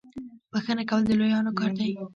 بخښنه کول د لویانو کار دی.